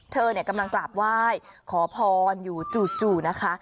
เธอกำลังกราบไหว้ขอพรอยู่จู่นะคะ